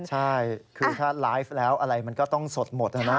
ใช่คือถ้าไลฟ์แล้วอะไรมันก็ต้องสดหมดนะ